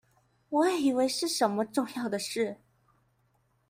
我以為是什麼重要的事